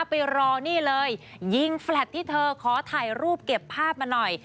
ไปรอนี่เลยยิงแฟลตที่เธอขอถ่ายรูปเก็บภาพมาหน่อย